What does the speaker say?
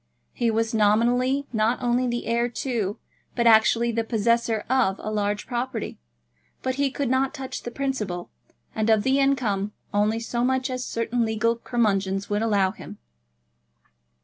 He was nominally, not only the heir to, but actually the possessor of, a large property; but he could not touch the principal, and of the income only so much as certain legal curmudgeons would allow him.